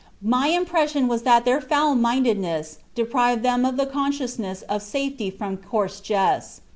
My impression was that their foul mindedness deprived them of the consciousness of safety from coarse jests.